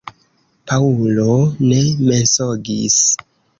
Paŭlo ne mensogis.